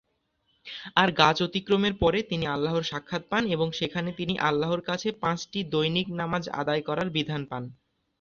আর গাছ অতিক্রমের পরে তিনি আল্লাহর সাক্ষাত পান এবং সেখানে তিনি আল্লাহর কাছে পাঁচটি দৈনিক নামাজ আদায় করার বিধান পান।